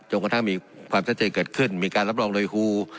กระทั่งมีความชัดเจนเกิดขึ้นมีการรับรองโดยครู